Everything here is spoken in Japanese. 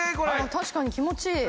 確かに気持ちいい。